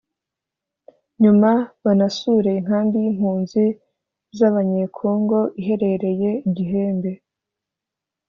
nyuma banasure inkambi y’impunzi z’abanyekongo iherereye i Gihembe